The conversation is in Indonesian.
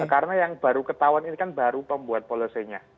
karena yang baru ketahuan ini kan baru pembuat polosenya